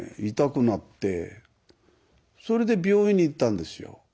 痛くなってそれで病院に行ったんですよ。